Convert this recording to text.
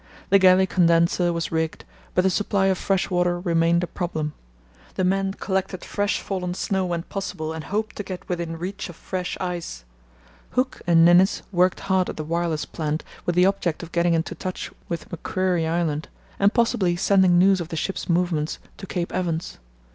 The galley condenser was rigged, but the supply of fresh water remained a problem. The men collected fresh fallen snow when possible and hoped to get within reach of fresh ice. Hooke and Ninnis worked hard at the wireless plant with the object of getting into touch with Macquarie Island, and possibly sending news of the ship's movements to Cape Evans.